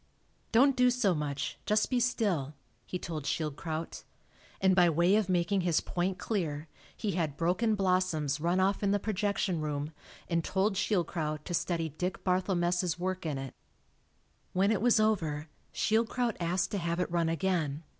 "Don't do so much just be still," he told Schild kraut. And by way of making his point clear, he had "Broken Blossoms" run off in the projection room, and told Schildkraut to study Dick Barthelmess' work in it. When it was over, Schildkraut asked to have it run again.